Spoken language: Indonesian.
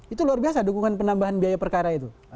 itu luar biasa dukungan penambahan biaya perkara itu